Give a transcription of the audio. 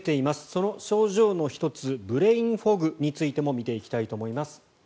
その症状の１つブレインフォグについても見ていきたいと思います。